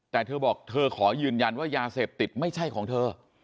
แต่เธอบอกเธอขอยืนยันว่ายาเสพติดไม่ใช่ของเธอ